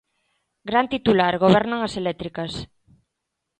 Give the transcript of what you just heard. Gran titular: gobernan as eléctricas.